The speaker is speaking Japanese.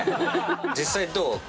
実際どう？